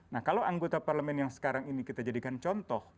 nah kalau anggota parlemen yang sekarang ini kita jadikan contoh